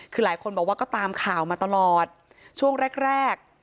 คือหลายคนบอกว่าก็ตามข่าวมาตลอดช่วงแรกแรก